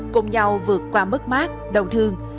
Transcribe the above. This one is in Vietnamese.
cùng nhau vượt qua mất mát đau thương